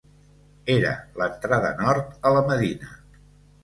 Era l'entrada nord a la medina.